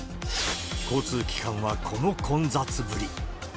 交通機関はこの混雑ぶり。